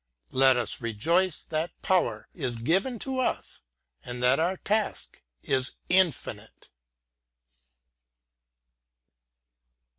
Let us rejoice that power is given to us. and that our task is infinite!